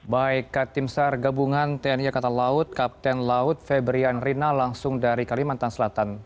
baik tim sar gabungan tni angkatan laut kapten laut febrian rina langsung dari kalimantan selatan